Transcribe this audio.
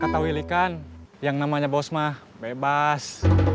kata willy kan yang namanya bosma bebas